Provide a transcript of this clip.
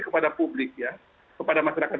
kepada publik ya kepada masyarakat